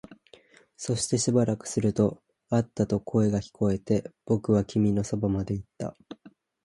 そしてしばらくすると、あったと声が聞こえて、僕は君のそばまで行った